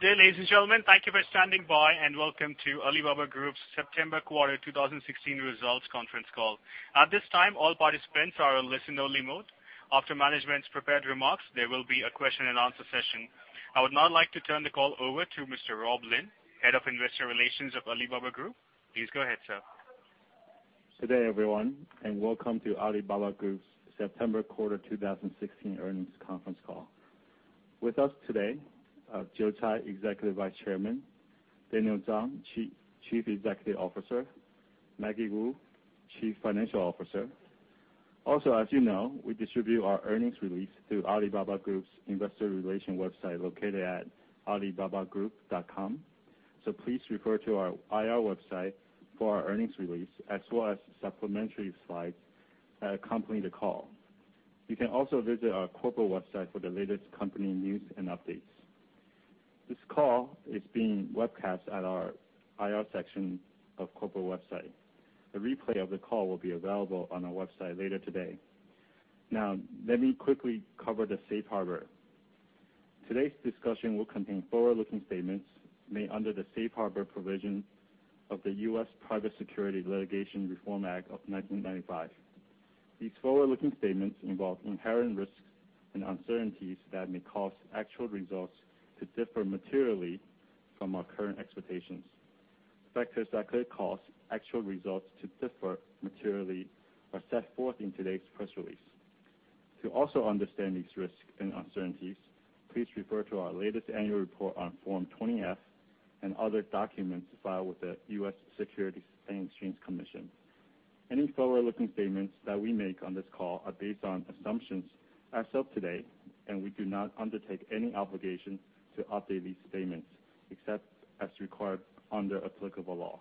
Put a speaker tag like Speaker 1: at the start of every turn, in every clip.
Speaker 1: Good day, ladies and gentlemen. Thank you for standing by and welcome to Alibaba Group's September Quarter 2016 Results Conference Call. At this time, all participants are in listen only mode. After management's prepared remarks, there will be a question and answer session. I would now like to turn the call over to Mr. Rob Lin, Head of Investor Relations of Alibaba Group. Please go ahead, sir.
Speaker 2: Good day everyone, and welcome to Alibaba Group's September Quarter 2016 Earnings Conference call. With us today are Joe Tsai, Executive Vice Chairman, Daniel Zhang, Chief Executive Officer, Maggie Wu, Chief Financial Officer. Also, as you know, we distribute our earnings release through Alibaba Group's investor relation website located at alibabagroup.com. Please refer to our IR website for our earnings release, as well as supplementary slides accompanying the call. You can also visit our corporate website for the latest company news and updates. This call is being webcast at our IR section of corporate website. A replay of the call will be available on our website later today. Now, let me quickly cover the Safe Harbor. Today's discussion will contain forward-looking statements made under the Safe Harbor provisions of the U.S. Private Securities Litigation Reform Act of 1995. These forward-looking statements involve inherent risks and uncertainties that may cause actual results to differ materially from our current expectations. Factors that could cause actual results to differ materially are set forth in today's press release. To also understand these risks and uncertainties, please refer to our latest annual report on Form 20-F and other documents filed with the U.S. Securities and Exchange Commission. Any forward-looking statements that we make on this call are based on assumptions as of today, and we do not undertake any obligation to update these statements except as required under applicable law.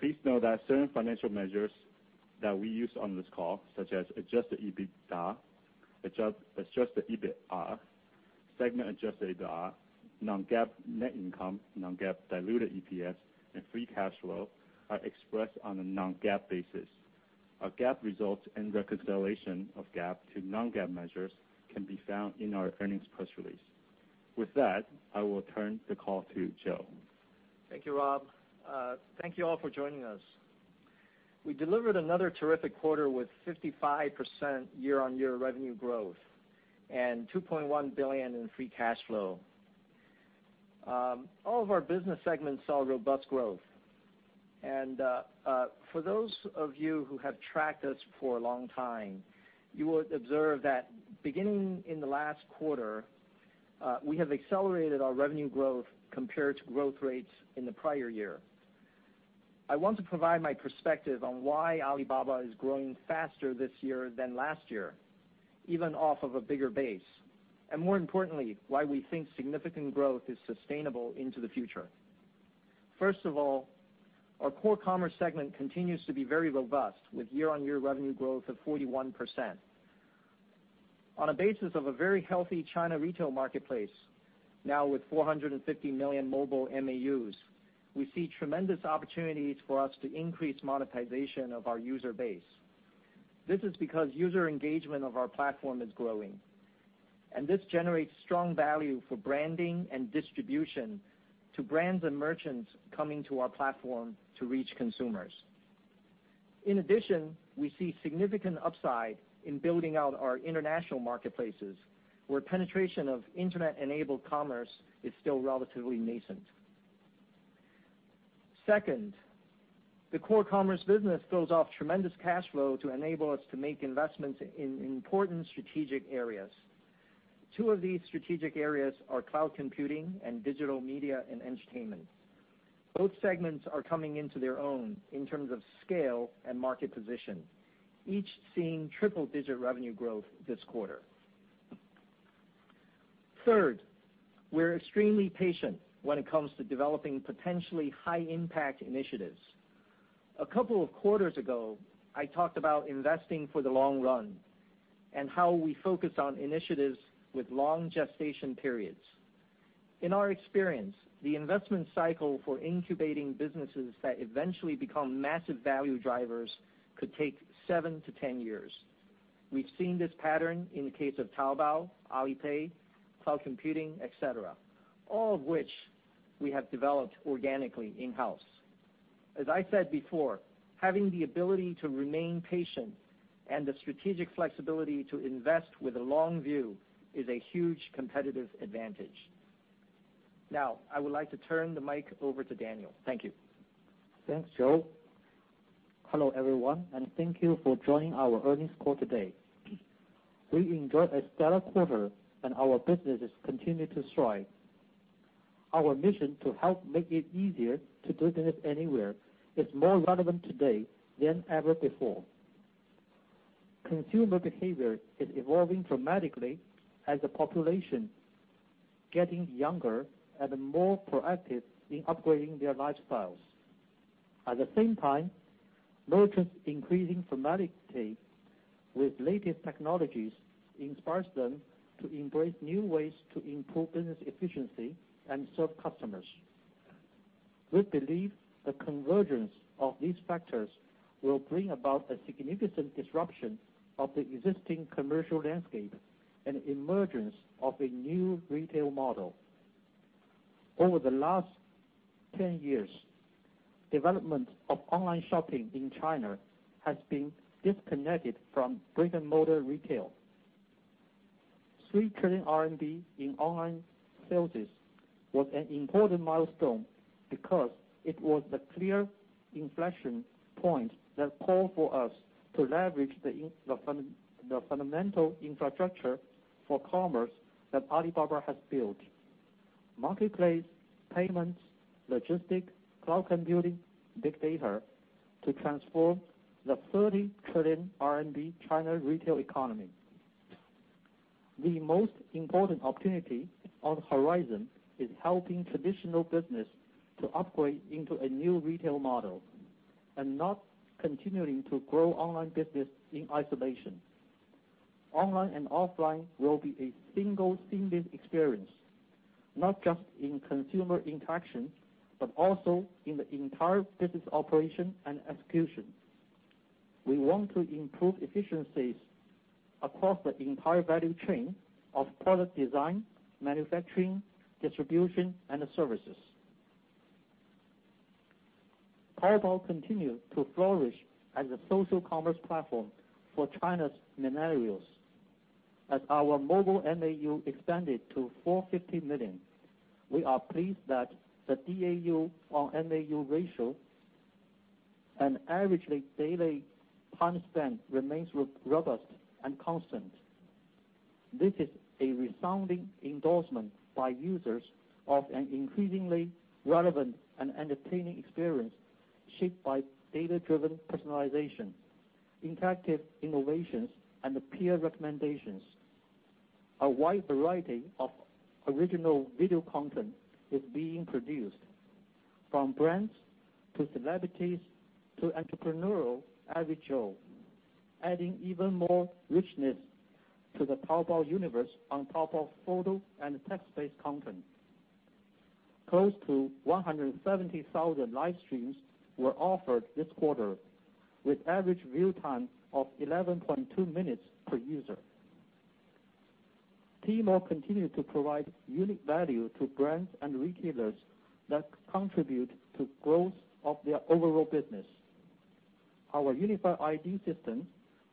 Speaker 2: Please note that certain financial measures that we use on this call, such as adjusted EBITDA, adjusted EBITA, segment adjusted EBITDA, non-GAAP net income, non-GAAP diluted EPS, and free cash flow, are expressed on a non-GAAP basis. Our GAAP results and reconciliation of GAAP to non-GAAP measures can be found in our earnings press release. With that, I will turn the call to Joe.
Speaker 3: Thank you, Rob. Thank you all for joining us. We delivered another terrific quarter with 55% year-on-year revenue growth and 2.1 billion in free cash flow. All of our business segments saw robust growth. For those of you who have tracked us for a long time, you would observe that beginning in the last quarter, we have accelerated our revenue growth compared to growth rates in the prior year. I want to provide my perspective on why Alibaba is growing faster this year than last year, even off of a bigger base. More importantly, why we think significant growth is sustainable into the future. First of all, our core commerce segment continues to be very robust, with year-on-year revenue growth of 41%. On a basis of a very healthy China retail marketplace, now with 450 million mobile MAUs, we see tremendous opportunities for us to increase monetization of our user base. This is because user engagement of our platform is growing, and this generates strong value for branding and distribution to brands and merchants coming to our platform to reach consumers. In addition, we see significant upside in building out our international marketplaces, where penetration of Internet-enabled commerce is still relatively nascent. Second, the core commerce business throws off tremendous cash flow to enable us to make investments in important strategic areas. Two of these strategic areas are cloud computing and digital media and entertainment. Both segments are coming into their own in terms of scale and market position, each seeing triple-digit revenue growth this quarter. Third, we're extremely patient when it comes to developing potentially high impact initiatives. A couple of quarters ago, I talked about investing for the long run and how we focus on initiatives with long gestation periods. In our experience, the investment cycle for incubating businesses that eventually become massive value drivers could take 7-10 years. We've seen this pattern in the case of Taobao, Alipay, cloud computing, et cetera, all of which we have developed organically in-house. As I said before, having the ability to remain patient and the strategic flexibility to invest with a long view is a huge competitive advantage. I would like to turn the mic over to Daniel. Thank you.
Speaker 4: Thanks, Joe. Hello, everyone, thank you for joining our earnings call today. We enjoyed a stellar quarter and our businesses continue to thrive. Our mission to help make it easier to do business anywhere is more relevant today than ever before. Consumer behavior is evolving dramatically as the population getting younger and more proactive in upgrading their lifestyles. At the same time, merchants increasing dramatically with latest technologies inspires them to embrace new ways to improve business efficiency and serve customers. We believe the convergence of these factors will bring about a significant disruption of the existing commercial landscape and emergence of a new retail model. Over the last 10 years, development of online shopping in China has been disconnected from brick-and-mortar retail. 3 trillion RMB in online sales was an important milestone because it was the clear inflection point that called for us to leverage the fundamental infrastructure for commerce that Alibaba has built. Marketplace, payments, logistic, cloud computing, big data to transform the 30 trillion RMB China retail economy. The most important opportunity on the horizon is helping traditional business to upgrade into a new retail model and not continuing to grow online business in isolation. Online and offline will be a single seamless experience, not just in consumer interaction, but also in the entire business operation and execution. We want to improve efficiencies across the entire value chain of product design, manufacturing, distribution, and services. Taobao continued to flourish as a social commerce platform for China's millennials. As our mobile MAU expanded to 450 million, we are pleased that the DAU on MAU ratio and average daily time spent remains robust and constant. This is a resounding endorsement by users of an increasingly relevant and entertaining experience shaped by data-driven personalization, interactive innovations, and peer recommendations. A wide variety of original video content is being produced from brands to celebrities to entrepreneurial average Joe, adding even more richness to the Taobao universe on top of photo and text-based content. Close to 170,000 live streams were offered this quarter, with average view time of 11.2 minutes per user. Tmall continued to provide unique value to brands and retailers that contribute to growth of their overall business. Our unified ID system,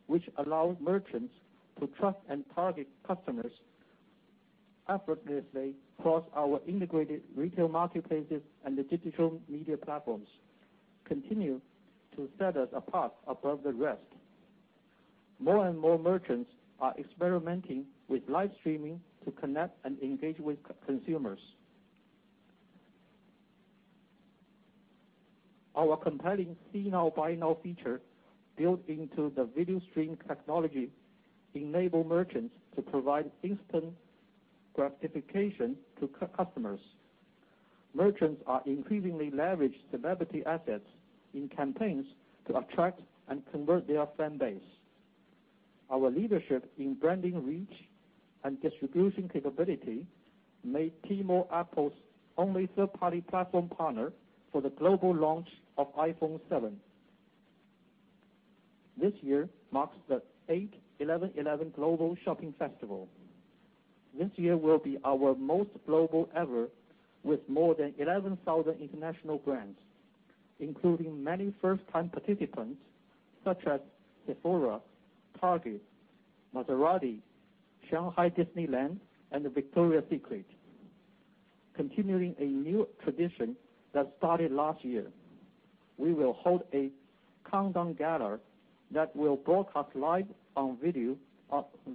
Speaker 4: which allows merchants to trust and target customers effortlessly across our integrated retail marketplaces and the digital media platforms, continue to set us apart above the rest. More and more merchants are experimenting with live streaming to connect and engage with consumers. Our compelling see now, buy now feature built into the video stream technology enable merchants to provide instant gratification to customers. Merchants are increasingly leverage celebrity assets in campaigns to attract and convert their fan base. Our leadership in branding reach and distribution capability made Tmall Apple's only third-party platform partner for the global launch of iPhone 7. This year marks the eighth 11.11 Global Shopping Festival. This year will be our most global ever with more than 11,000 international brands, including many first-time participants such as Sephora, Target, Maserati, Shanghai Disneyland, and Victoria's Secret. Continuing a new tradition that started last year, we will hold a countdown gala that will broadcast live on video,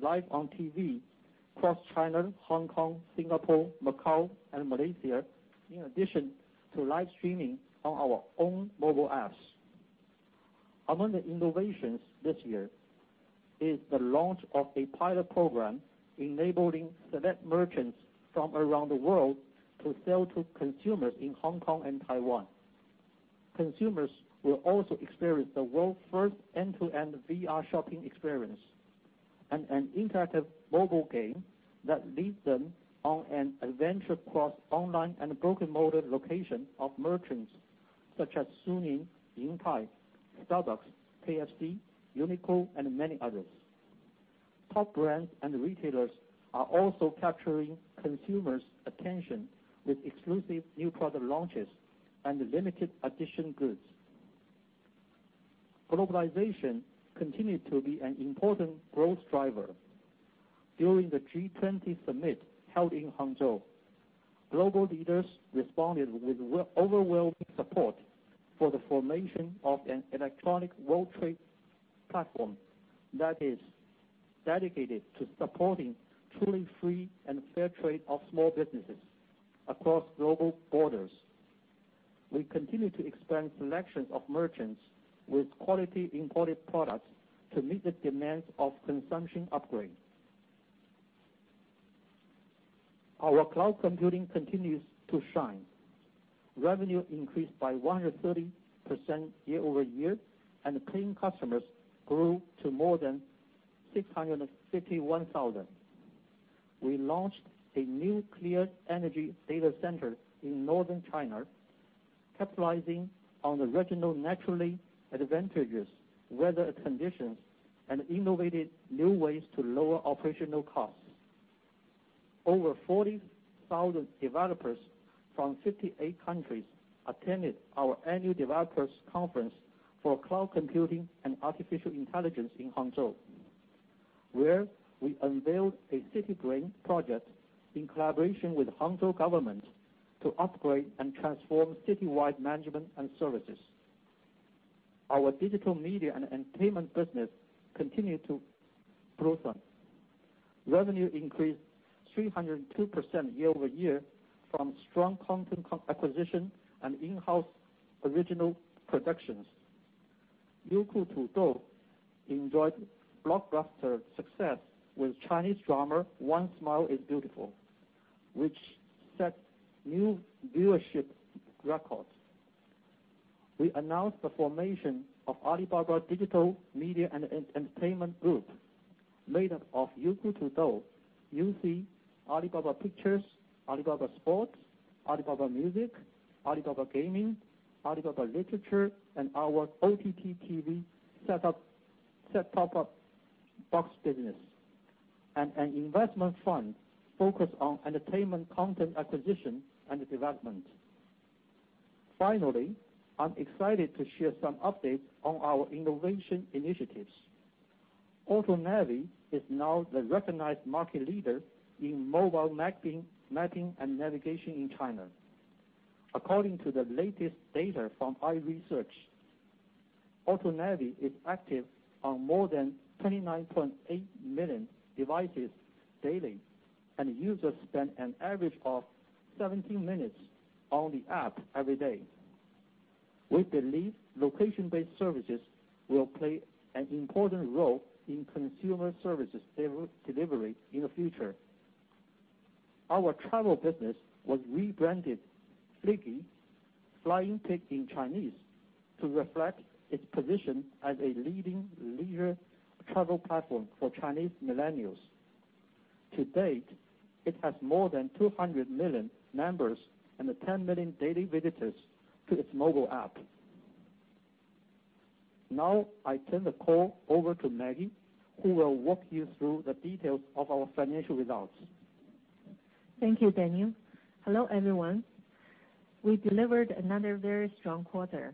Speaker 4: live on TV across China, Hong Kong, Singapore, Macau, and Malaysia, in addition to live streaming on our own mobile apps. Among the innovations this year is the launch of a pilot program enabling select merchants from around the world to sell to consumers in Hong Kong and Taiwan. Consumers will also experience the world's first end-to-end VR shopping experience and an interactive mobile game that leads them on an adventure across online and brick-and-mortar location of merchants such as Suning, Intime, Starbucks, KFC, Uniqlo, and many others. Top brands and retailers are also capturing consumers' attention with exclusive new product launches and limited edition goods. Globalization continued to be an important growth driver. During the G20 summit held in Hangzhou, global leaders responded with overwhelming support for the formation of an electronic world trade platform that is dedicated to supporting truly free and fair trade of small businesses across global borders. We continue to expand selection of merchants with quality imported products to meet the demands of consumption upgrade. Our cloud computing continues to shine. Revenue increased by 130% year-over-year, and paying customers grew to more than 651,000. We launched a new clean energy data center in Northern China, capitalizing on the regional naturally advantageous weather conditions and innovated new ways to lower operational costs. Over 40,000 developers from 58 countries attended our annual developers conference for cloud computing and artificial intelligence in Hangzhou, where we unveiled a City Brain project in collaboration with Hangzhou government to upgrade and transform citywide management and services. Our Digital Media and Entertainment business continued to broaden. Revenue increased 302% year-over-year from strong content acquisition and in-house original productions. Youku Tudou enjoyed blockbuster success with Chinese drama, A Smile is Beautiful, which set new viewership records. We announced the formation of Alibaba Digital Media and Entertainment Group, made up of Youku Tudou, UC, Alibaba Pictures, Alibaba Sports, Alibaba Music Group, Alibaba Games, Alibaba Literature, and our OTT TV set-top box business, and an investment fund focused on entertainment content acquisition and development. Finally, I'm excited to share some updates on our innovation initiatives. AutoNavi is now the recognized market leader in mobile mapping and navigation in China. According to the latest data from iResearch, AutoNavi is active on more than 29.8 million devices daily, and users spend an average of 17 minutes on the app every day. We believe location-based services will play an important role in consumer services delivery in the future. Our travel business was rebranded Fliggy, flying pig in Chinese, to reflect its position as a leading leisure travel platform for Chinese millennials. To date, it has more than 200 million members and 10 million daily visitors to its mobile app. Now I turn the call over to Maggie, who will walk you through the details of our financial results.
Speaker 5: Thank you, Daniel. Hello, everyone. We delivered another very strong quarter.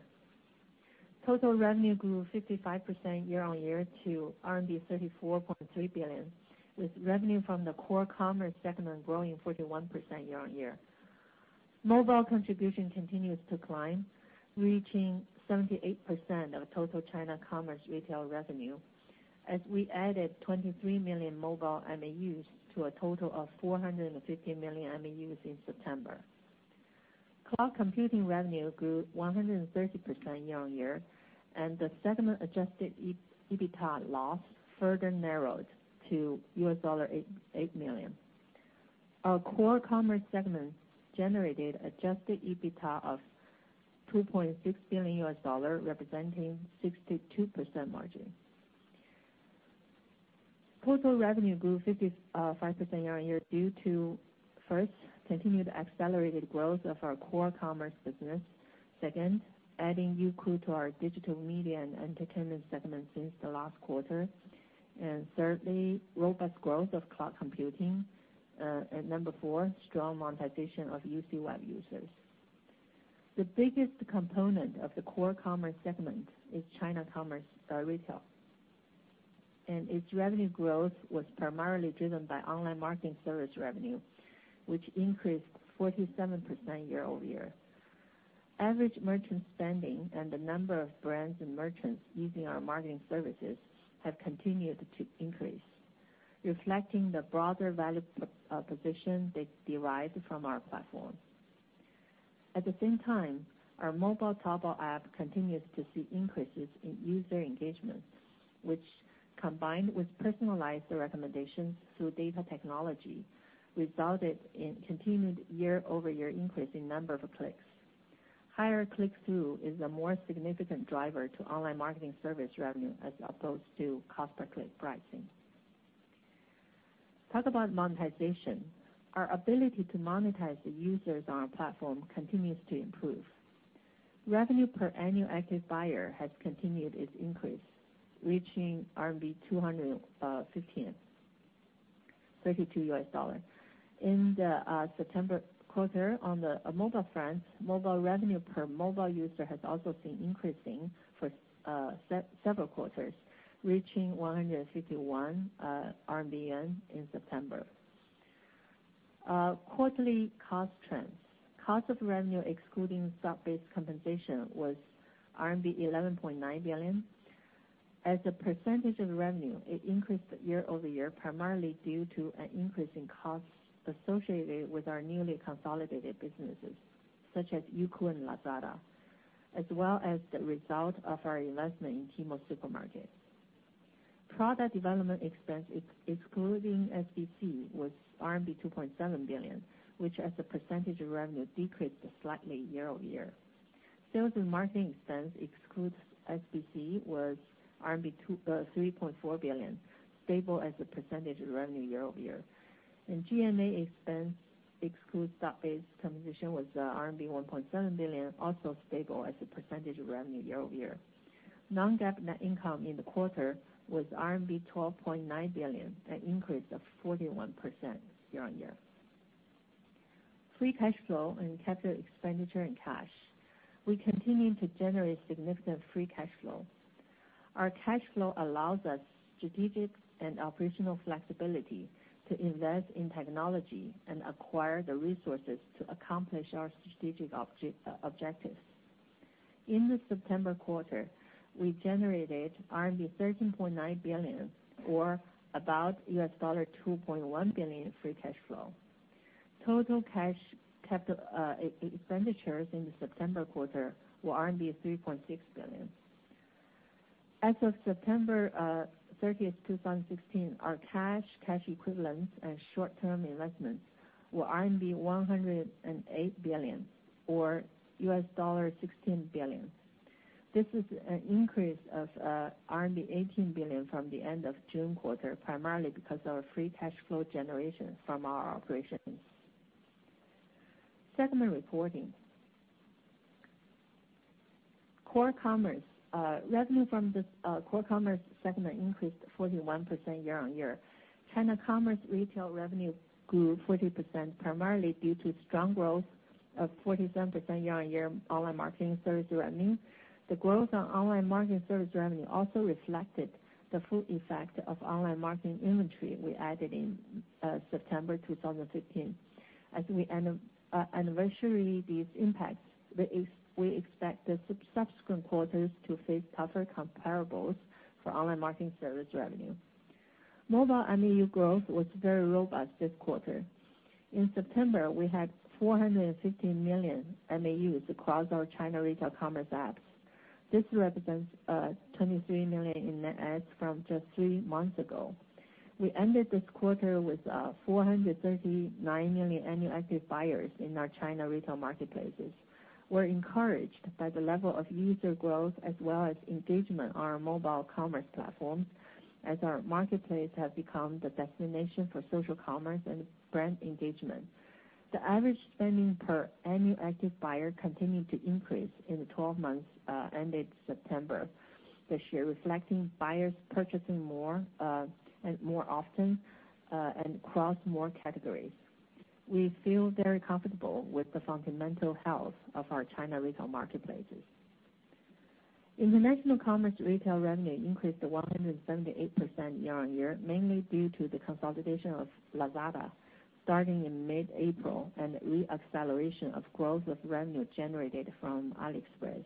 Speaker 5: Total revenue grew 55% year-on-year to RMB 34.3 billion, with revenue from the core commerce segment growing 41% year-on-year. Mobile contribution continues to climb, reaching 78% of total China commerce retail revenue, as we added 23 million mobile MAUs to a total of 450 million MAUs in September. Cloud revenue grew 130% year-on-year, and the segment adjusted EBITA loss further narrowed to $8 million. Our core commerce segment generated adjusted EBITDA of $2.6 billion, representing 62% margin. Total revenue grew 55% year-on-year due to, first, continued accelerated growth of our core commerce business. Second, adding Youku to our Digital Media and Entertainment Group segment since the last quarter. Thirdly, robust growth of Cloud. Number four, strong monetization of UCWeb users. The biggest component of the core commerce segment is China commerce retail, and its revenue growth was primarily driven by online marketing service revenue, which increased 47% year-over-year. Average merchant spending and the number of brands and merchants using our marketing services have continued to increase, reflecting the broader value position they derive from our platform. At the same time, our mobile Taobao app continues to see increases in user engagement, which, combined with personalized recommendations through data technology, resulted in continued year-over-year increase in number of clicks. Higher click-through is a more significant driver to online marketing service revenue as opposed to cost per click pricing. Talk about monetization. Our ability to monetize the users on our platform continues to improve. Revenue per annual active buyer has continued its increase, reaching RMB 215 32 U.S. dollar. In the September quarter, on the mobile front, mobile revenue per mobile user has also seen increasing for several quarters, reaching RMB 151 in September. Quarterly cost trends. Cost of revenue excluding stock-based compensation was RMB 11.9 billion. As a percentage of revenue, it increased year-over-year, primarily due to an increase in costs associated with our newly consolidated businesses, such as Youku and Lazada, as well as the result of our investment in Tmall Supermarket. Product development expense excluding SBC was RMB 2.7 billion, which as a percentage of revenue decreased slightly year-over-year. Sales and marketing expense excludes SBC was RMB 3.4 billion, stable as a percentage of revenue year-over-year. G&A expense excludes stock-based compensation was RMB 1.7 billion, also stable as a percentage of revenue year-over-year. Non-GAAP net income in the quarter was RMB 12.9 billion, an increase of 41% year-over-year. Free cash flow and capital expenditure and cash. We continue to generate significant free cash flow. Our cash flow allows us strategic and operational flexibility to invest in technology and acquire the resources to accomplish our strategic objectives. In the September quarter, we generated RMB 13.9 billion, or about $2.1 billion free cash flow. Total cash capital expenditures in the September quarter were 3.6 billion RMB. As of September 30, 2016, our cash equivalents and short-term investments were RMB 108 billion, or $16 billion. This is an increase of RMB 18 billion from the end of June quarter, primarily because of our free cash flow generation from our operations. Segment reporting. Core commerce. Revenue from this Core commerce segment increased 41% year-over-year. China commerce retail revenue grew 40%, primarily due to strong growth of 47% year-over-year online marketing service revenue. The growth on online marketing service revenue also reflected the full effect of online marketing inventory we added in September 2015. As we anniversary these impacts, we expect the subsequent quarters to face tougher comparables for online marketing service revenue. Mobile MAU growth was very robust this quarter. In September, we had 450 million MAUs across our China retail commerce apps. This represents 23 million in net adds from just three months ago. We ended this quarter with 439 million annual active buyers in our China retail marketplaces. We're encouraged by the level of user growth as well as engagement on our mobile commerce platforms, as our marketplace have become the destination for social commerce and brand engagement. The average spending per annual active buyer continued to increase in the 12 months ended September this year, reflecting buyers purchasing more and more often and across more categories. We feel very comfortable with the fundamental health of our China retail marketplaces. International commerce retail revenue increased to 178% year-on-year, mainly due to the consolidation of Lazada starting in mid-April, and re-acceleration of growth of revenue generated from AliExpress.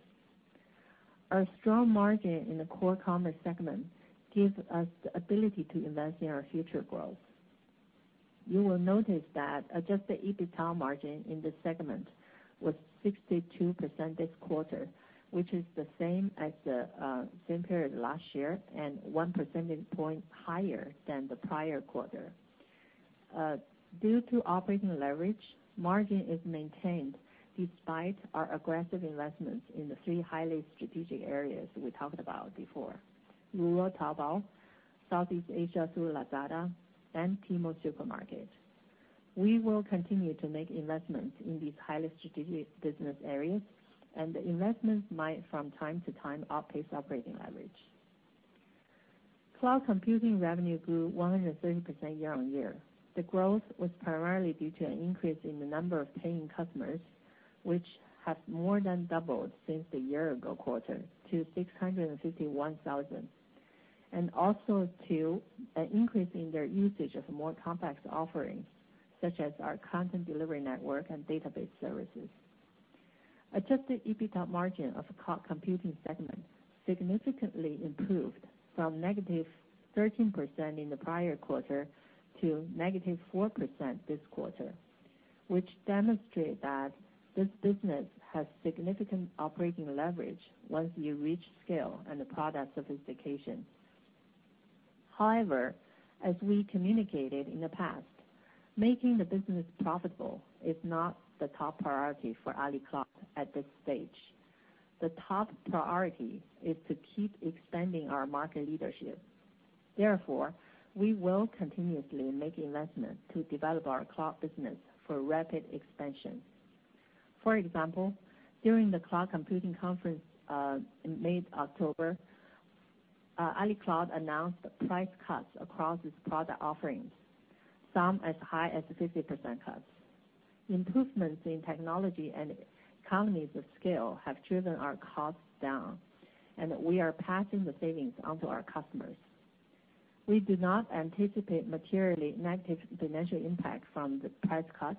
Speaker 5: Our strong margin in the core commerce segment gives us the ability to invest in our future growth. You will notice that adjusted EBITDA margin in this segment was 62% this quarter, which is the same as the same period last year and 1 percentage point higher than the prior quarter. Due to operating leverage, margin is maintained despite our aggressive investments in the three highly strategic areas we talked about before. Rural Taobao, Southeast Asia through Lazada, and Tmall Supermarket. We will continue to make investments in these highly strategic business areas, and the investments might, from time to time, outpace operating leverage. Cloud computing revenue grew 130% year-on-year. The growth was primarily due to an increase in the number of paying customers, which has more than doubled since the year-ago quarter to 651,000. Also to an increase in their usage of more complex offerings, such as our content delivery network and database services. Adjusted EBITDA margin of cloud computing segment significantly improved from negative 13% in the prior quarter to negative 4% this quarter, which demonstrate that this business has significant operating leverage once you reach scale and the product sophistication. As we communicated in the past, making the business profitable is not the top priority for AliCloud at this stage. The top priority is to keep expanding our market leadership. We will continuously make investments to develop our cloud business for rapid expansion. During the cloud computing conference, in mid-October, AliCloud announced price cuts across its product offerings, some as high as 50% cuts. Improvements in technology and economies of scale have driven our costs down, we are passing the savings on to our customers. We do not anticipate materially negative financial impact from the price cuts,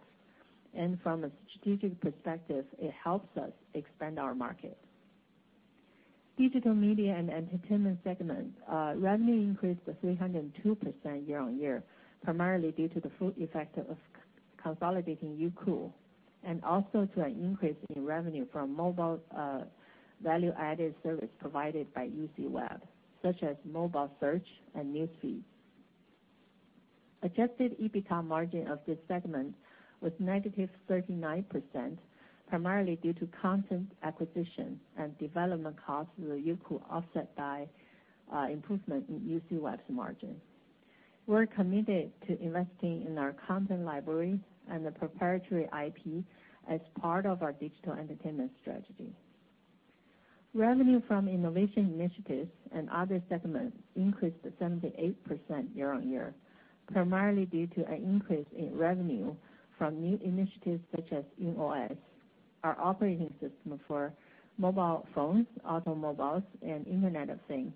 Speaker 5: from a strategic perspective, it helps us expand our market. Digital Media and Entertainment segment revenue increased to 302% year-on-year, primarily due to the full effect of consolidating Youku, also to an increase in revenue from mobile value-added service provided by UCWeb, such as mobile search and news feeds. Adjusted EBITDA margin of this segment was negative 39%, primarily due to content acquisition and development costs of the Youku offset by improvement in UCWeb's margin. We're committed to investing in our content library and the proprietary IP as part of our digital entertainment strategy. Revenue from innovation initiatives and other segments increased 78% year-on-year, primarily due to an increase in revenue from new initiatives such as YunOS, our operating system for mobile phones, automobiles and Internet of Things.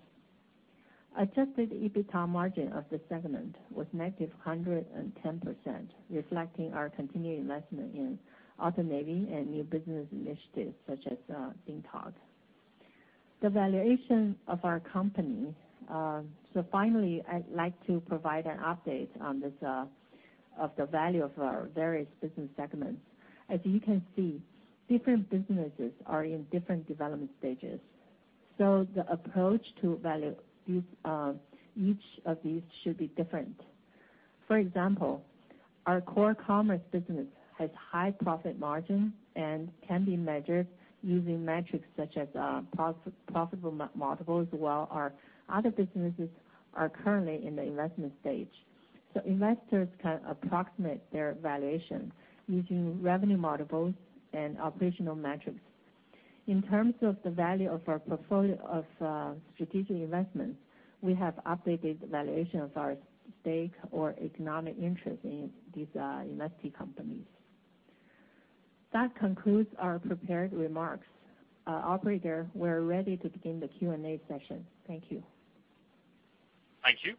Speaker 5: Adjusted EBITDA margin of the segment was -110%, reflecting our continued investment in AutoNavi and new business initiatives such as DingTalk. Finally, I'd like to provide an update on this, of the value of our various business segments. As you can see, different businesses are in different development stages. The approach to value each of these should be different. For example, our Core Commerce Business has high profit margin and can be measured using metrics such as profitable multiples, while our other businesses are currently in the investment stage. Investors can approximate their valuation using revenue multiples and operational metrics. In terms of the value of our portfolio of strategic investments, we have updated the valuation of our stake or economic interest in these investee companies. That concludes our prepared remarks. Operator, we're ready to begin the Q&A session. Thank you.
Speaker 1: Thank you.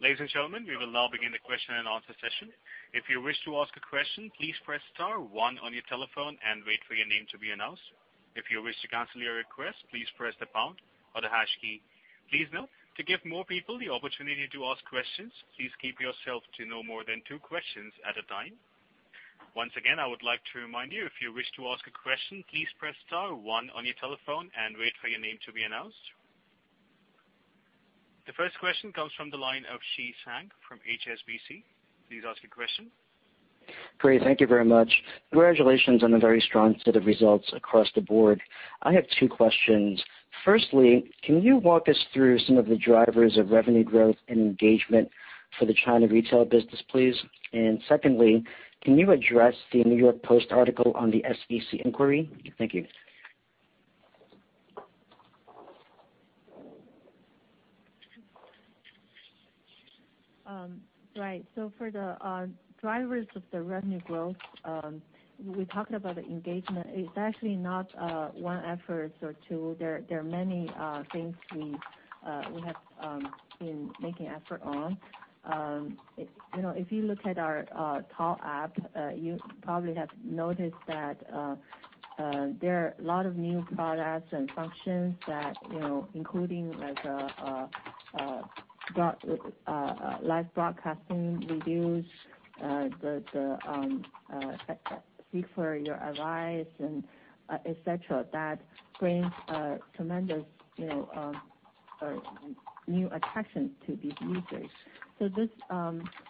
Speaker 1: Ladies and gentlemen, we will now begin the question-and-answer session. If you wish to ask a question, please press star one on your telephone and wait for your name to be announced. If you wish to cancel your request, please press the pound or the hash key. Please note, to give more people the opportunity to ask questions, please keep yourself to no more than two questions at a time. Once again, I would like to remind you, if you wish to ask a question, please press star one on your telephone and wait for your name to be announced. The first question comes from the line of Chi Tsang from HSBC. Please ask your question.
Speaker 6: Great. Thank you very much. Congratulations on a very strong set of results across the board. I have two questions. Firstly, can you walk us through some of the drivers of revenue growth and engagement for the China retail business, please? Secondly, can you address the New York Post article on the SEC inquiry? Thank you.
Speaker 5: Right. For the drivers of the revenue growth, we talked about the engagement. It's actually not one effort or two. There are many things we have been making effort on. You know, if you look at our Tao app, you probably have noticed that there are a lot of new products and functions that, you know, including like live broadcasting reviews, the seek for your advice and et cetera, that brings a tremendous, you know, new attraction to these users. This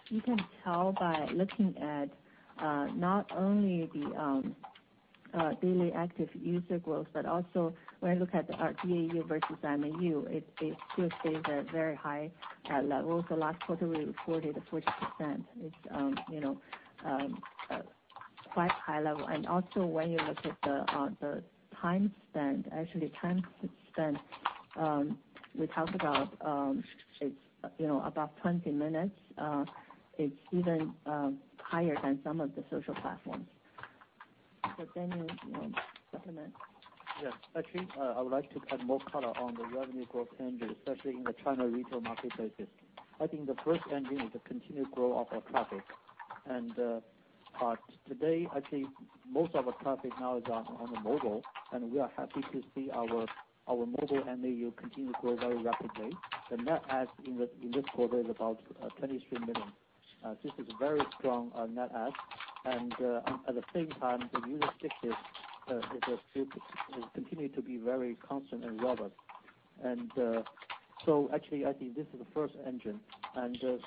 Speaker 5: you can tell by looking at not only the daily active user growth, but also when you look at our DAU versus MAU, it still stays at very high levels. Last quarter, we reported 40%. It's, you know, quite high level. When you look at the time spent, actually time spent, we talked about, it's, you know, about 20 minutes. It's even higher than some of the social platforms. Daniel, you want to supplement?
Speaker 4: Yes. Actually, I would like to add more color on the revenue growth engine, especially in the China retail marketplace. I think the first engine is the continued growth of our traffic. Today, actually, most of our traffic now is on the mobile, and we are happy to see our mobile MAU continue to grow very rapidly. The net adds in this quarter is about 23 million. This is very strong net adds. At the same time, the user stickiness is continued to be very constant and robust. So actually, I think this is the first engine.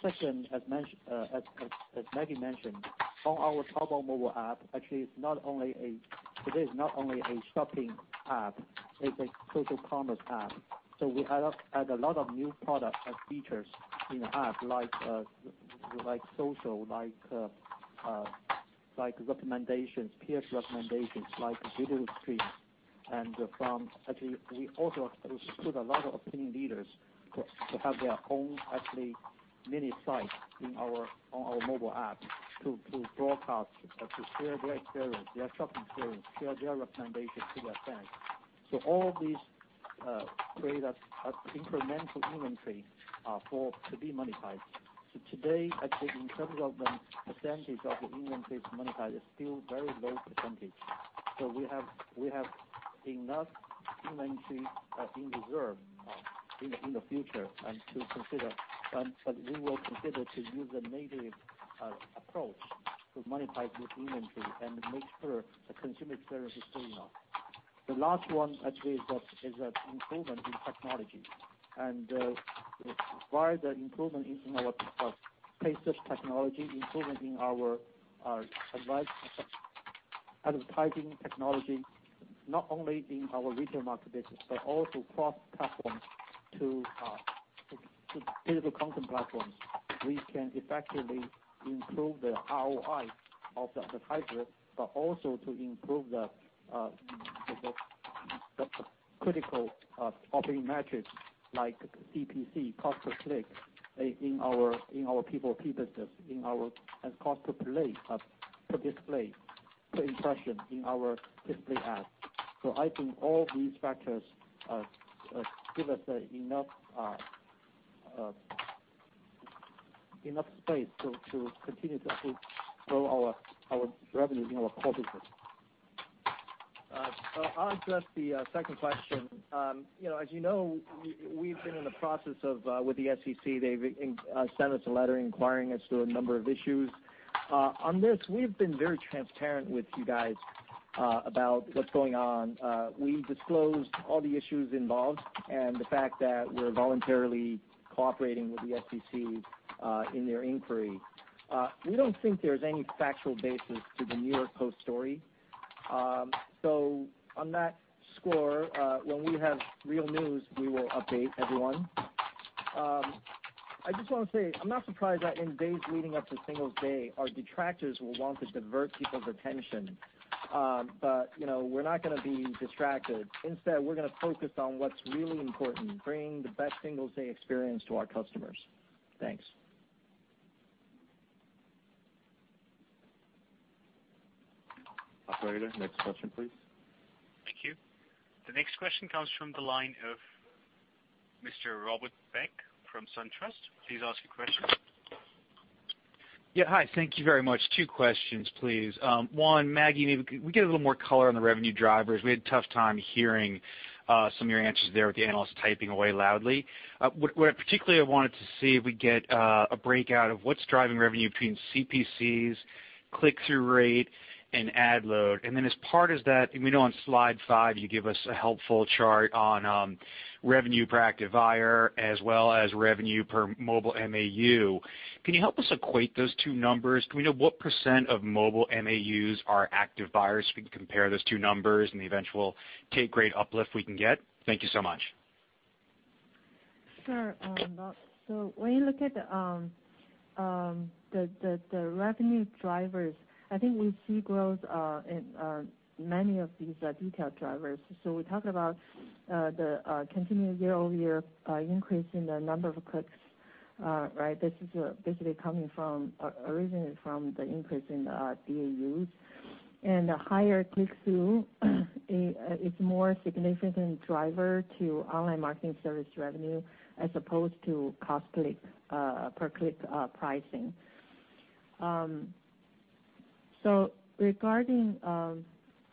Speaker 4: Second, as Maggie mentioned, on our Taobao mobile app, actually, it's not only a shopping app, it's a social commerce app. We add a lot of new product and features in the app like social, like recommendations, peers recommendations, like video streams. Actually, we also put a lot of opinion leaders to have their own actually mini sites on our mobile app to broadcast, to share their experience, their shopping experience, share their recommendations to their fans. All of these create a incremental inventory to be monetized. Today, I think in terms of the percentage of the inventory to monetize is still very low percentage. We have enough inventory in reserve in the future and to consider. But we will consider to use a native approach to monetize this inventory and make sure the consumer experience is good enough. The last one actually is that improvement in technology. While the improvement in our [pay-sub] technology, improvement in our advanced advertising technology, not only in our retail market business, but also cross-platforms to digital content platforms. We can effectively improve the ROI of the advertiser, but also to improve the critical operating metrics like CPC, cost per click, in our P4P business, in our cost per play, per display, per impression in our display ads. I think all these factors give us enough space to continue to grow our revenue in our core business.
Speaker 3: I'll address the second question. You know, as you know, we've been in the process of with the SEC, they sent us a letter inquiring as to a number of issues. On this, we've been very transparent with you guys about what's going on. We disclosed all the issues involved and the fact that we're voluntarily cooperating with the SEC in their inquiry. We don't think there's any factual basis to the New York Post story. On that score, when we have real news, we will update everyone. I just wanna say, I'm not surprised that in days leading up to Singles' Day, our detractors will want to divert people's attention. You know, we're not gonna be distracted. We're gonna focus on what's really important, bringing the best Singles' Day experience to our customers. Thanks.
Speaker 2: Operator, next question, please.
Speaker 1: Thank you. The next question comes from the line of Mr. Robert Peck from SunTrust. Please ask your question.
Speaker 7: Hi, thank you very much. Two questions, please. One, Maggie, maybe could we get a little more color on the revenue drivers? We had a tough time hearing some of your answers there with the analysts typing away loudly. What particularly I wanted to see if we get a breakout of what's driving revenue between CPCs, click-through rate, and ad load. Then as part as that, we know on slide five you give us a helpful chart on revenue per active buyer as well as revenue per mobile MAU. Can you help us equate those two numbers? Can we know what percent of mobile MAUs are active buyers so we can compare those two numbers and the eventual take rate uplift we can get? Thank you so much.
Speaker 5: Sure. When you look at the revenue drivers, I think we see growth in many of these detail drivers. We talked about the continuing year-over-year increase in the number of clicks. This is basically coming from originally from the increase in DAUs. A higher click-through is more significant driver to online marketing service revenue as opposed to cost click per-click pricing. Regarding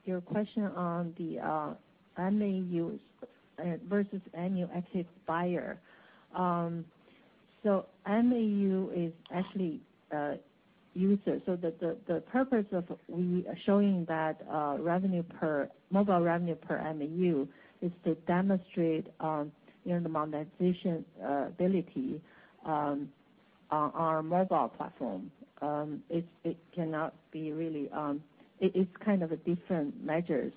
Speaker 5: your question on the MAUs versus annual active buyer, MAU is actually users. The purpose of we showing that revenue per mobile revenue per MAU is to demonstrate you know the monetization ability on our mobile platform. It's kind of different measures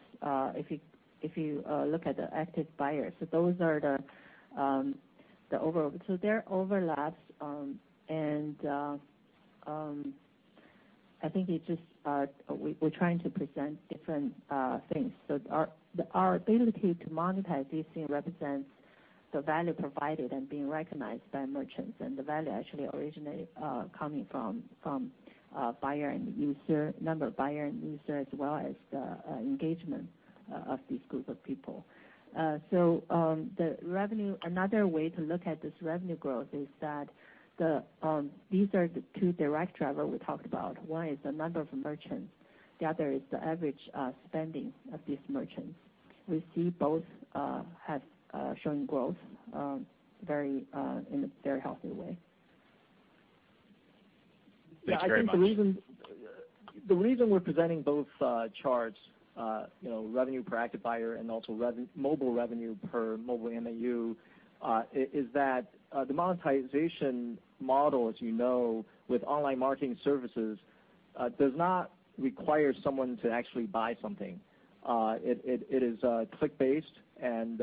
Speaker 5: if you look at the active buyers. Those are the overall. There are overlaps, and I think it just we're trying to present different things. Our ability to monetize these things represents the value provided and being recognized by merchants, and the value actually originally coming from buyer and user, number of buyer and user, as well as the engagement of these group of people. The revenue. Another way to look at this revenue growth is that these are the two direct driver we talked about. One is the number of merchants, the other is the average spending of these merchants. We see both have shown growth very in a very healthy way.
Speaker 7: Thanks very much.
Speaker 3: I think the reason we're presenting both charts, you know, revenue per active buyer and also mobile revenue per mobile MAU is that the monetization model, as you know, with online marketing services does not require someone to actually buy something. It is click-based and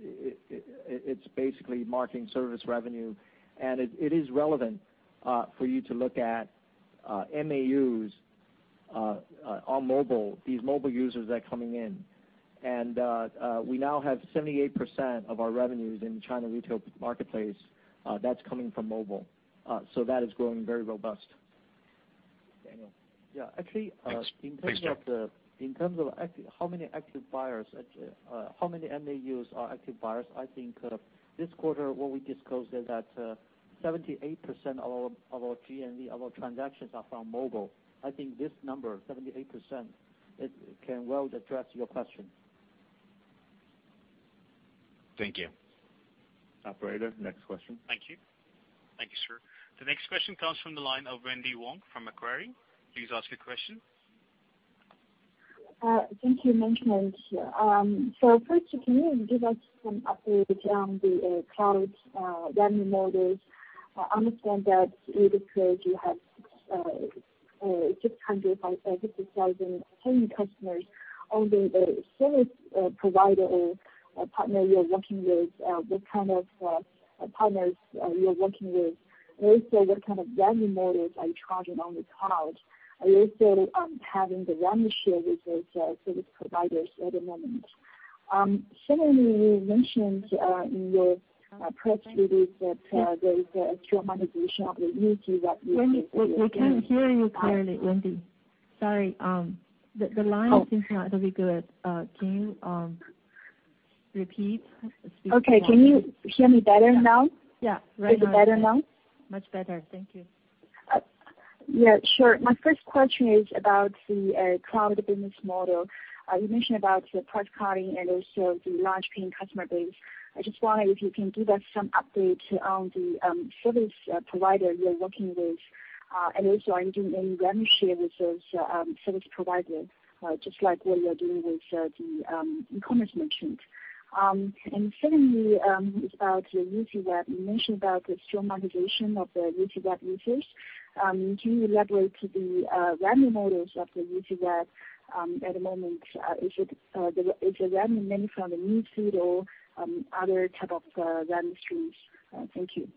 Speaker 3: it's basically marketing service revenue. It is relevant for you to look at MAUs on mobile, these mobile users that are coming in. We now have 78% of our revenues in China retail marketplace that's coming from mobile. That is growing very robust. Daniel?
Speaker 4: Yeah. Actually,
Speaker 7: Thanks. Thanks, Daniel
Speaker 4: In terms of how many active buyers, how many MAUs are active buyers, I think, this quarter, what we disclosed is that, 78% of our, of our GMV, of our transactions are from mobile. I think this number, 78%, it can well address your question.
Speaker 7: Thank you.
Speaker 2: Operator, next question.
Speaker 1: Thank you. Thank you, sir. The next question comes from the line of Wendy Huang from Macquarie. Please ask your question.
Speaker 8: Thank you very much. First, can you give us some updates on the cloud revenue models? I understand that with the cloud you have 600,000 paying customers. Only the service provider or partner you're working with, what kind of partners you are working with? What kind of revenue models are you charging on the cloud? Are you also having the revenue share with those service providers at the moment? Similarly, you mentioned in your press release that there is a standardization of the UCWeb.
Speaker 5: Wendy, we can't hear you clearly, Wendy. Sorry. The line seems not to be good. Can you repeat?
Speaker 8: Okay. Can you hear me better now?
Speaker 5: Yeah. Right now.
Speaker 8: Is it better now?
Speaker 5: Much better. Thank you.
Speaker 8: Yeah, sure. My first question is about the cloud business model. You mentioned about the price cutting and also the large paying customer base. I just wonder if you can give us some updates on the service provider you are working with. Also are you doing any revenue share with those service provider, just like what you are doing with the e-commerce merchants? Secondly, it's about UCWeb. You mentioned about the standardization of the UCWeb users. Can you elaborate the revenue models of the UCWeb at the moment? Is the revenue mainly from the newsfeed or other type of revenue streams? Thank you.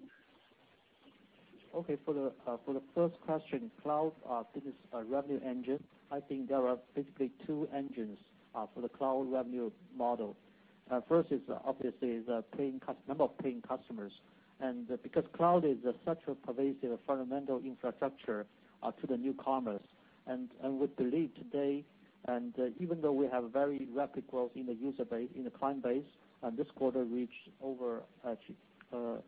Speaker 4: Okay. For the first question, Cloud business revenue engine. I think there are basically two engines for the Cloud revenue model. First is obviously the number of paying customers. Because Cloud is such a pervasive fundamental infrastructure to the new commerce, we believe today, even though we have very rapid growth in the user base, in the client base, this quarter reached over six.
Speaker 5: CNY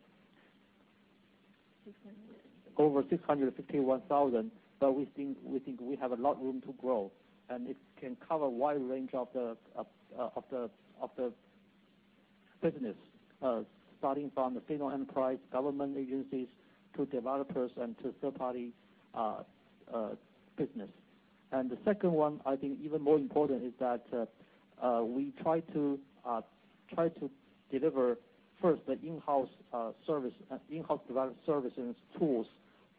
Speaker 5: 600.
Speaker 4: Over 651,000, we think we have a lot room to grow, and it can cover a wide range of the business, starting from the female enterprise government agencies to developers and to third-party business. The second one, I think even more important, is that we try to deliver first the in-house service, in-house developed services tools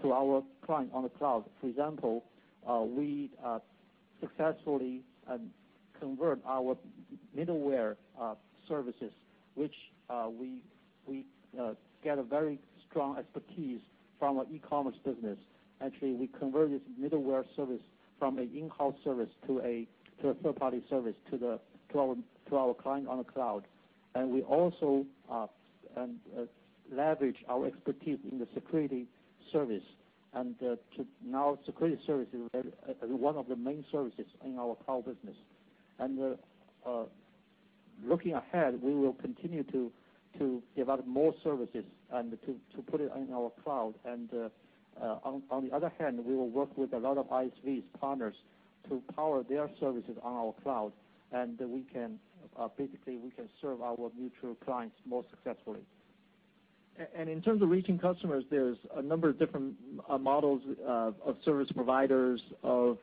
Speaker 4: to our client on the Cloud. For example, we successfully convert our middleware services, which we get a very strong expertise from our e-commerce business. Actually, we converted middleware service from a in-house service to a third-party service to our client on the Cloud. We also leverage our expertise in the security service. Now, security service is one of the main services in our cloud business. Looking ahead, we will continue to develop more services and to put it in our cloud. On the other hand, we will work with a lot of ISVs partners to power their services on our cloud. We can basically serve our mutual clients more successfully.
Speaker 3: In terms of reaching customers, there's a number of different models of service providers of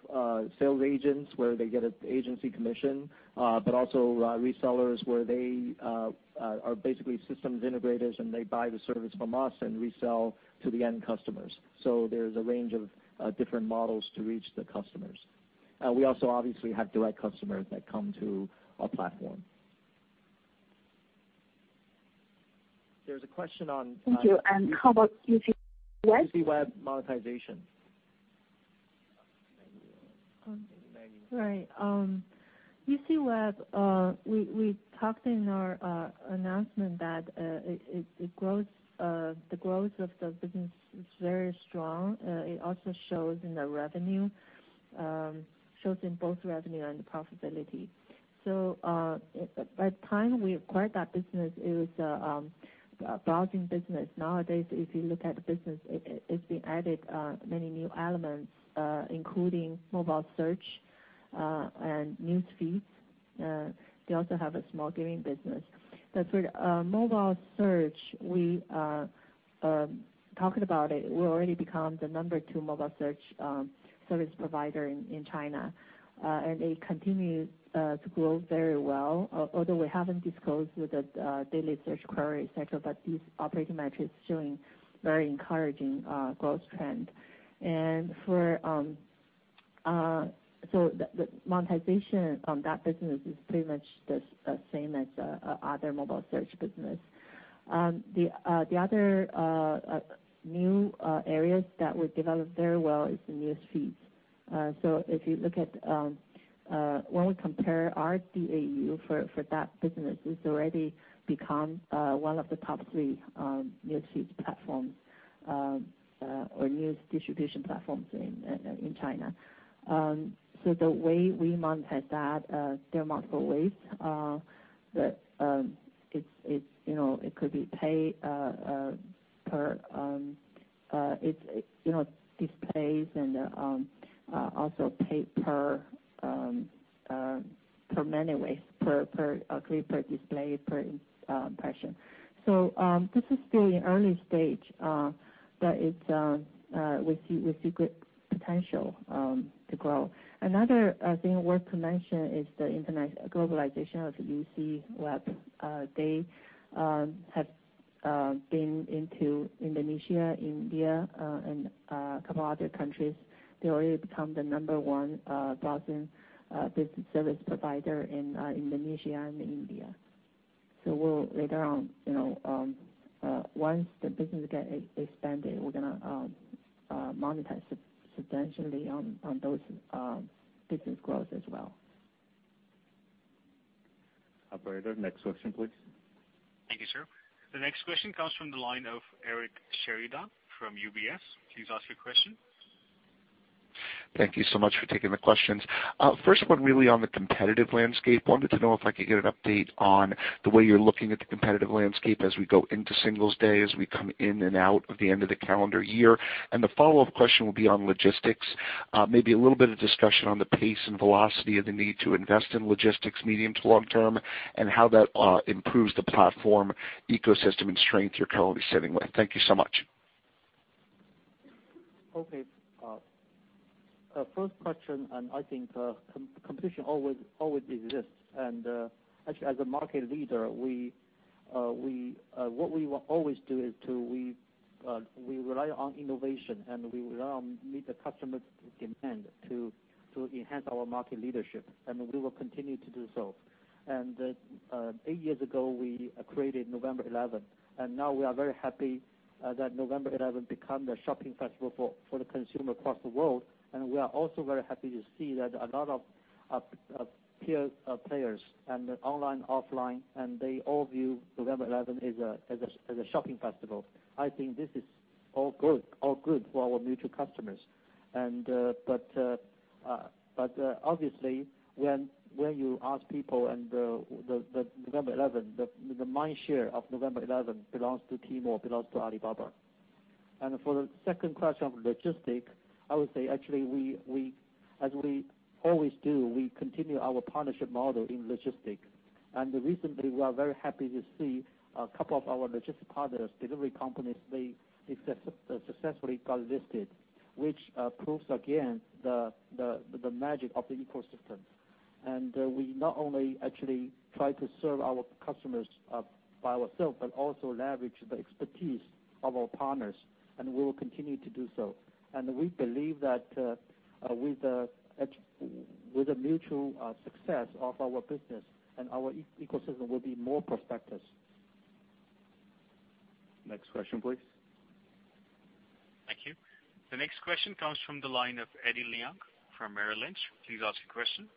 Speaker 3: sales agents, where they get an agency commission. Also, resellers where they are basically systems integrators, and they buy the service from us and resell to the end customers. There's a range of different models to reach the customers. We also obviously have direct customers that come to our platform. There's a question on.
Speaker 8: Thank you. How about UCWeb?
Speaker 3: UCWeb monetization.
Speaker 5: Right. UCWeb, we talked in our announcement that it grows, the growth of the business is very strong. It also shows in the revenue, shows in both revenue and profitability. At time we acquired that business, it was a browsing business. Nowadays, if you look at the business, it's been added many new elements, including mobile search, and news feeds. They also have a small gaming business. For mobile search, we are talking about it, we already become the number two mobile search service provider in China. It continue to grow very well. Although we haven't disclosed with the daily search query et cetera, but these operating metrics showing very encouraging growth trend. For the monetization on that business is pretty much the same as other mobile search business. The other new areas that we develop very well is the news feeds. If you look at, when we compare our DAU for that business, it's already become one of the top three news feeds platforms or news distribution platforms in China. The way we monetize that, there are multiple ways. It's, you know, it could be pay per. It's, you know, displays and also pay per many ways, per display, per impression. This is still in early stage, but it's we see great potential to grow. Another thing worth to mention is the international globalization of UCWeb. They have been into Indonesia, India and a couple other countries. They already become the number 1 browsing business service provider in Indonesia and India. We'll later on, you know, once the business get expanded, we're gonna monetize substantially on those business growth as well.
Speaker 2: Operator, next question, please.
Speaker 1: Thank you, sir. The next question comes from the line of Eric Sheridan from UBS. Please ask your question.
Speaker 9: Thank you so much for taking the questions. First one really on the competitive landscape. Wanted to know if I could get an update on the way you're looking at the competitive landscape as we go into Singles' Day, as we come in and out of the end of the calendar year. The follow-up question will be on logistics. Maybe a little bit of discussion on the pace and velocity of the need to invest in logistics medium to long term, and how that improves the platform ecosystem and strength you're currently sitting with. Thank you so much.
Speaker 4: Okay. First question. I think competition always exists. Actually, as a market leader, what we will always do is to rely on innovation, and we rely on meet the customer demand to enhance our market leadership, and we will continue to do so. Eight years ago, we created November 11. Now we are very happy that November 11 become the shopping festival for the consumer across the world. We are also very happy to see that a lot of peer players and online, offline, and they all view November 11 as a shopping festival. I think this is all good, all good for our mutual customers. But obviously, when you ask people, the November 11, the mind share of November 11 belongs to Tmall, belongs to Alibaba. For the second question of logistics, I would say, actually, as we always do, we continue our partnership model in logistics. Recently, we are very happy to see a couple of our logistics partners, delivery companies, they successfully got listed, which proves again the magic of the ecosystem. We not only actually try to serve our customers by ourself, but also leverage the expertise of our partners, and we will continue to do so. We believe that with the mutual success of our business and our ecosystem will be more prosperous.
Speaker 2: Next question, please.
Speaker 1: Thank you. The next question comes from the line of Eddie Leung from Merrill Lynch. Please ask your question.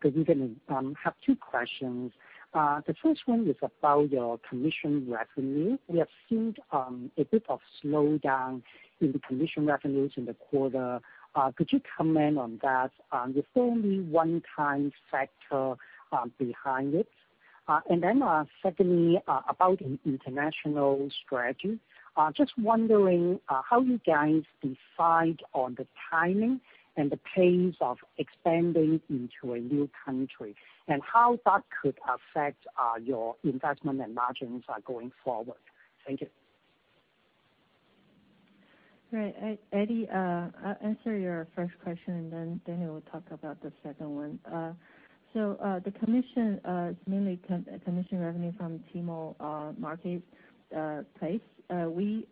Speaker 10: Good evening. Have two questions. The first one is about your commission revenue. We have seen a bit of slowdown in the commission revenues in the quarter. Could you comment on that? Is there any one-time factor behind it? Secondly, about international strategy. Just wondering how you guys decide on the timing and the pace of expanding into a new country, and how that could affect your investment and margins going forward. Thank you.
Speaker 5: Right. Eddie, I'll answer your first question, and then Daniel will talk about the second one. The commission is mainly commission revenue from Tmall marketplace. We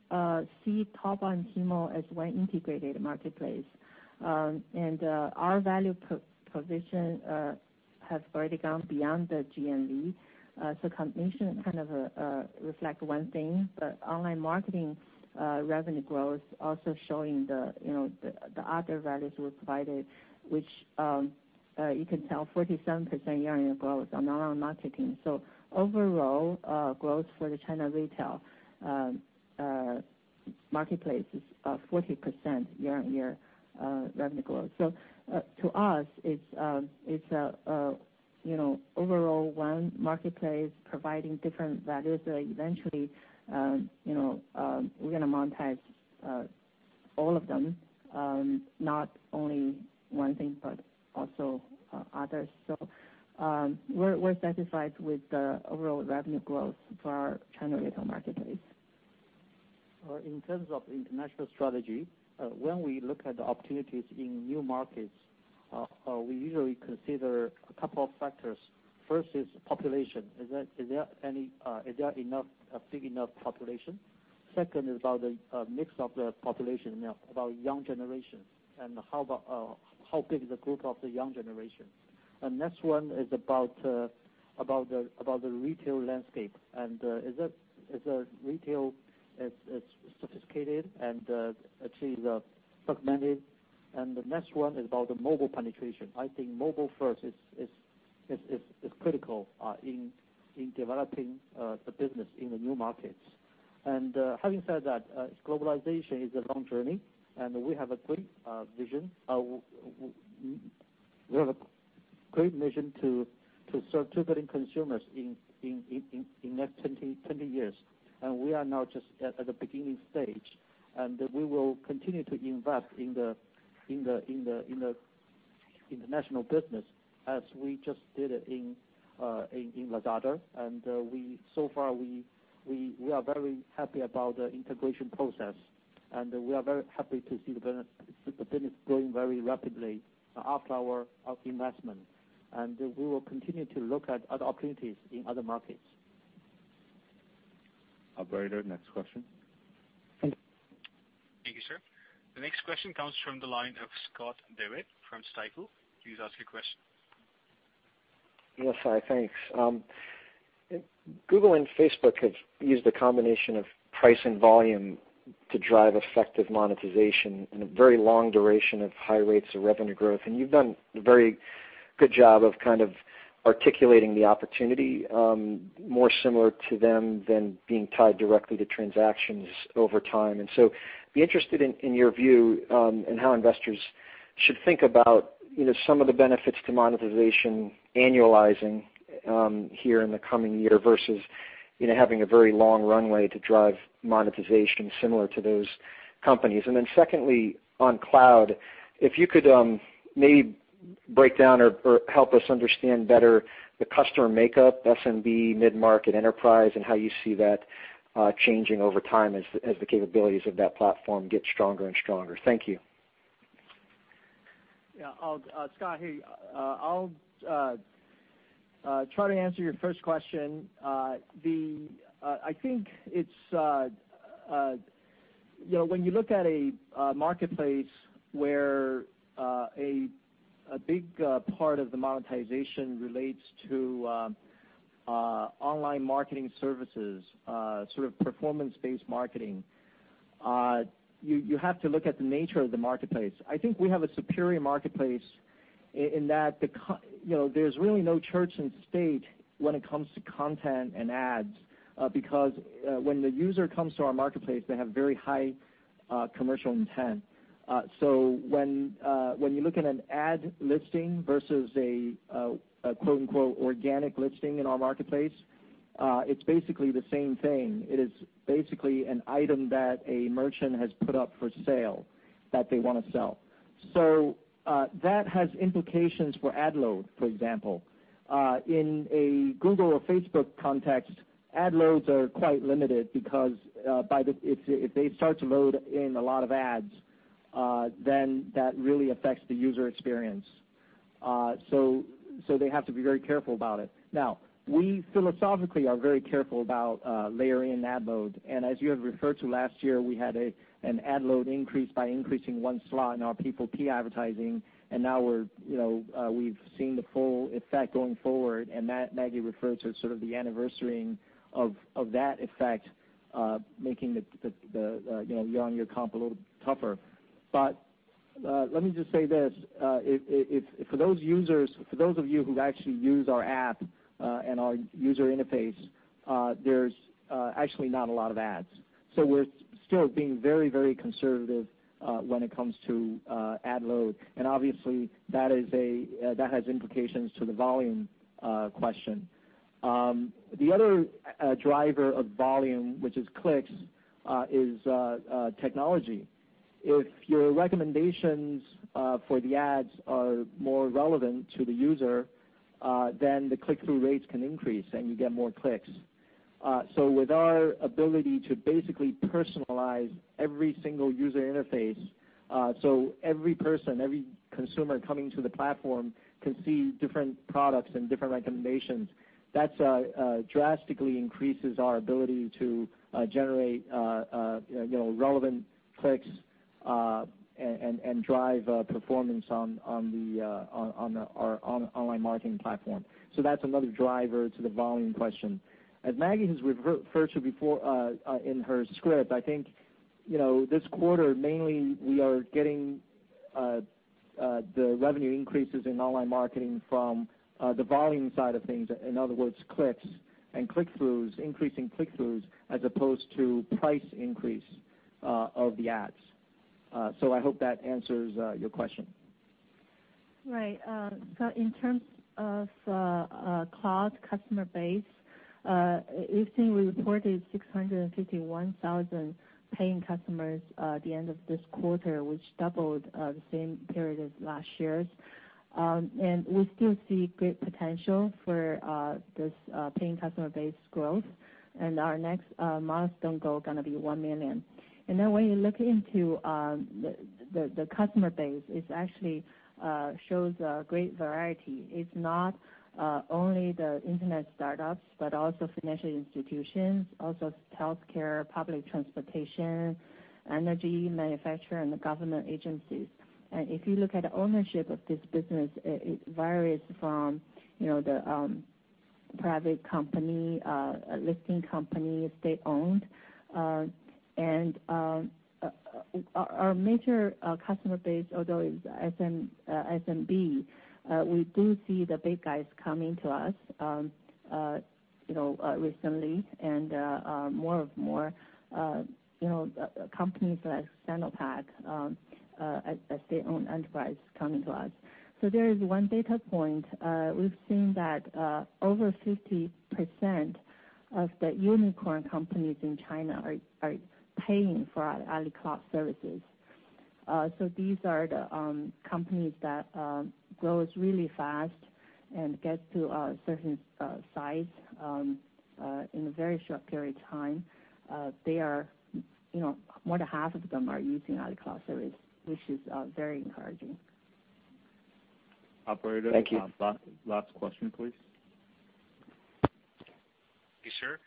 Speaker 5: see top line Tmall as one integrated marketplace. Our value position has already gone beyond the GMV. Commission kind of reflect one thing, but online marketing revenue growth also showing the, you know, the other values we provided, which you can tell 47% year-on-year growth on online marketing. Overall, growth for the China retail marketplace is 40% year-on-year revenue growth.
Speaker 4: To us, it's, you know, overall one marketplace providing different values that eventually, you know, we're gonna monetize all of them, not only one thing, but also others. We're satisfied with the overall revenue growth for our China retail marketplace. In terms of international strategy, when we look at the opportunities in new markets, we usually consider a couple of factors. First is population. Is there a big enough population? Second is about the mix of the population, you know, about young generation, and how big is the group of the young generation. Next one is about the retail landscape, and is retail as sophisticated and as segmented? The next one is about the mobile penetration. I think mobile first is critical in developing the business in the new markets. Having said that, globalization is a long journey, and we have a clear vision. We have a great mission to start targeting consumers in next 20 years. We are now just at the beginning stage, and we will continue to invest in the international business as we just did it in Lazada. So far we are very happy about the integration process, and we are very happy to see the business growing very rapidly after our investment. We will continue to look at other opportunities in other markets.
Speaker 2: Operator, next question.
Speaker 1: Thank you, sir. The next question comes from the line of Scott Devitt from Stifel. Please ask your question.
Speaker 11: Yes, hi, thanks. Google and Facebook have used a combination of price and volume to drive effective monetization and a very long duration of high rates of revenue growth. You've done a very good job of kind of articulating the opportunity, more similar to them than being tied directly to transactions over time. Be interested in your view, and how investors should think about, you know, some of the benefits to monetization annualizing, here in the coming year versus, you know, having a very long runway to drive monetization similar to those companies. Secondly, on cloud, if you could, maybe break down or help us understand better the customer makeup, SMB, mid-market enterprise, and how you see that changing over time as the capabilities of that platform get stronger and stronger. Thank you.
Speaker 3: Scott, hey, I'll try to answer your first question. I think it's, you know, when you look at a marketplace where a big part of the monetization relates to online marketing services, sort of performance-based marketing, you have to look at the nature of the marketplace. I think we have a superior marketplace in that, you know, there's really no church and state when it comes to content and ads, because when the user comes to our marketplace, they have very high commercial intent. When you look at an ad listing versus a quote-unquote organic listing in our marketplace, it's basically the same thing. It is basically an item that a merchant has put up for sale that they wanna sell. That has implications for ad load, for example. In a Google or Facebook context, ad loads are quite limited because if they start to load in a lot of ads, then that really affects the user experience. They have to be very careful about it. Now, we philosophically are very careful about layering ad load. As you have referred to last year, we had an ad load increase by increasing one slot in our P4P advertising, and now we're, you know, we've seen the full effect going forward. Maggie referred to sort of the anniversarying of that effect, making the, you know, year-on-year comp a little tougher.
Speaker 4: Let me just say this. If for those users, for those of you who actually use our app, and our user interface, there's actually not a lot of ads. We're still being very, very conservative when it comes to ad load. Obviously that is a, that has implications to the volume question. The other driver of volume, which is clicks, is technology. If your recommendations for the ads are more relevant to the user, then the click-through rates can increase, and you get more clicks. With our ability to basically personalize every single user interface, every person, every consumer coming to the platform can see different products and different recommendations, that's drastically increases our ability to generate, you know, relevant clicks, and drive performance on our online marketing platform. That's another driver to the volume question. As Maggie has referred to before, in her script, I think, you know, this quarter mainly we are getting the revenue increases in online marketing from the volume side of things, in other words, clicks and click-throughs, increasing click-throughs, as opposed to price increase of the ads. I hope that answers your question.
Speaker 5: Right. In terms of cloud customer base, if we reported 651,000 paying customers at the end of this quarter, which doubled the same period as last year's. We still see great potential for this paying customer base growth. Our next milestone goal gonna be 1 million. When you look into the, the customer base, it actually shows a great variety. It's not only the Internet startups, but also financial institutions, also healthcare, public transportation, energy manufacturer, and the government agencies. If you look at ownership of this business, it varies from, you know, the private company, listing company, state-owned. And our major customer base, although is SMB, we do see the big guys coming to us, you know, recently and more and more, you know, companies like Sinopec, a state-owned enterprise coming to us. There is one data point. We've seen that over 50% Of the unicorn companies in China are paying for our AliCloud services. These are the companies that grows really fast and gets to a certain size in a very short period of time. They are, you know, more than half of them are using AliCloud service, which is very encouraging.
Speaker 2: Operator.
Speaker 11: Thank you.
Speaker 2: Last question, please.
Speaker 1: Yes, sir.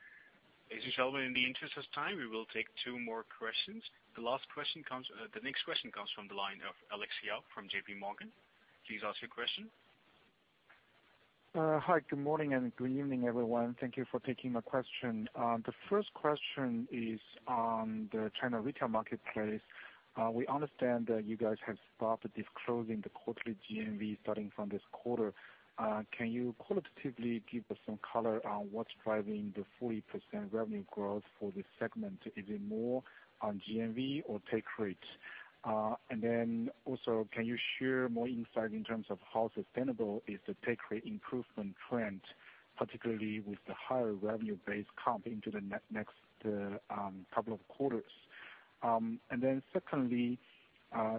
Speaker 1: Ladies and gentlemen, in the interest of time, we will take two more questions. The next question comes from the line of Alex Yao from JPMorgan. Please ask your question.
Speaker 12: Hi, good morning and good evening, everyone. Thank you for taking my question. The first question is on the China retail marketplace. We understand that you guys have stopped disclosing the quarterly GMV starting from this quarter. Can you qualitatively give us some color on what's driving the 40% revenue growth for this segment? Is it more on GMV or take rate? Also can you share more insight in terms of how sustainable is the take rate improvement trend, particularly with the higher revenue base comp into the next couple of quarters? Secondly,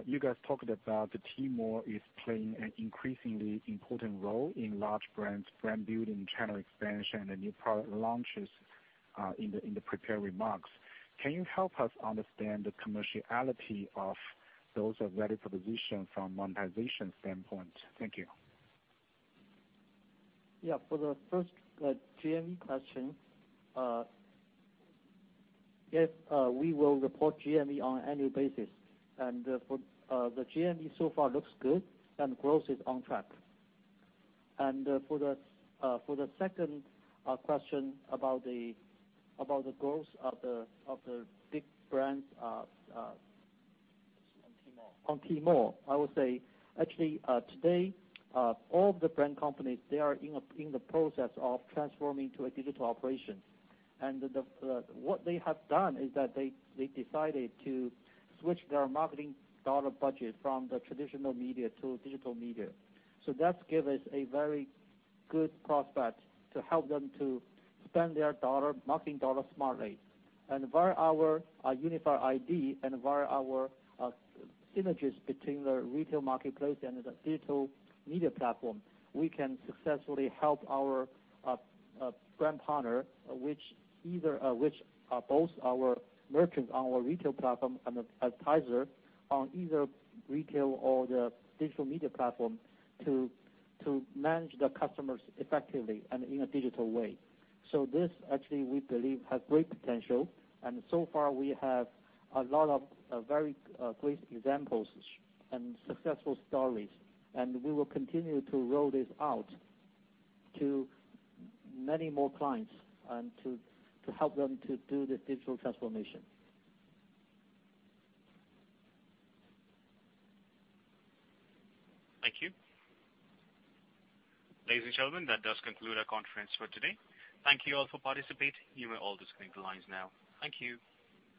Speaker 12: you guys talked about that Tmall is playing an increasingly important role in large brands, brand building, channel expansion, and new product launches in the prepared remarks. Can you help us understand the commerciality of those relative position from monetization standpoint? Thank you.
Speaker 4: Yeah. For the first GMV question, yes, we will report GMV on annual basis. For the GMV so far looks good and growth is on track. For the second question about the growth of the big brands.
Speaker 12: On Tmall.
Speaker 4: On Tmall. I would say actually, today, all the brand companies, they are in the process of transforming to a digital operation. What they have done is that they decided to switch their marketing dollar budget from the traditional media to digital media. That give us a very good prospect to help them to spend their marketing dollar smartly. Via our unified ID and via our synergies between the retail marketplace and the digital media platform, we can successfully help our brand partner, which both our merchants on our retail platform and advertiser on either retail or the digital media platform to manage the customers effectively and in a digital way. This actually we believe has great potential and so far we have a lot of, very, great examples and successful stories, and we will continue to roll this out to many more clients and to help them to do the digital transformation.
Speaker 1: Thank you. Ladies and gentlemen, that does conclude our conference for today. Thank you all for participate. You may all disconnect the lines now. Thank you.